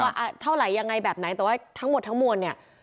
เท่าไหร่ยังไงแบบไหนแต่ว่าทั้งหมดทั้งมวลเนี่ย